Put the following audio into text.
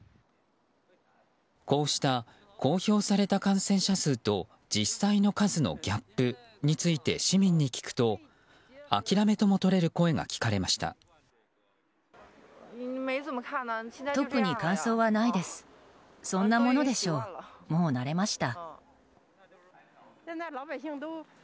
こうした公表された感染者数と実際の数のギャップについて市民に聞くと諦めとも取れる声が聞かれました。